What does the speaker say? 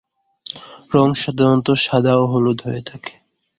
রঙ সাধারণত সাদা ও হলুদ হয়ে থাকে।